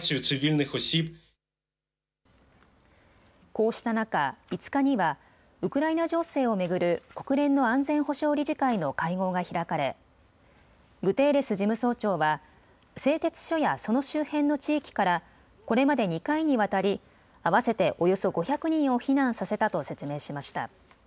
こうした中、５日にはウクライナ情勢を巡る国連の安全保障理事会の会合が開かれグテーレス事務総長は製鉄所やその周辺の地域からこれまで２回にわたり合わせておよそ５００人を避難させたと説明しました。